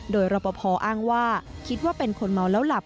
โดยรอปภอ้างว่าคิดว่าเป็นคนเมาแล้วหลับ